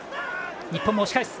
日本も押し返す。